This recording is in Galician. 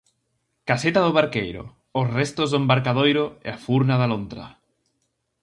Caseta do barqueiro, os restos do embarcadoiro e a furna da lontra.